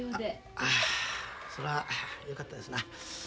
ああそらよかったですな。